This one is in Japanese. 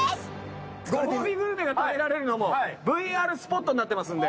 ご褒美グルメが食べられるのもＶＲスポットになってますんで。